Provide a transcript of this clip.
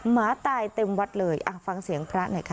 หมาตายเต็มวัดเลยอ่ะฟังเสียงพระหน่อยค่ะ